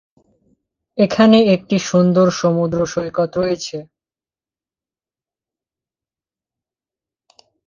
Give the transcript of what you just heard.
এখানে একটি সুন্দর সমুদ্র সৈকত রয়েছে।